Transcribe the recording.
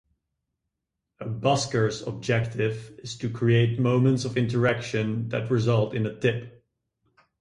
A busker's objective is to create moments of interaction that result in a tip.